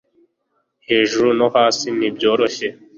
hejuru no hasi ntibyoroshye